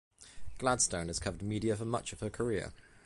Gladstone has covered media for much of her career.